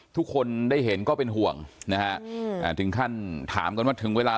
ทุกคนได้เห็นก็เป็นห่วงนะฮะถึงขั้นถามกันว่าถึงเวลา